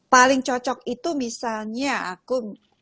paling cocok itu misalnya aku